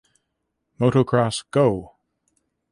Motocross Go!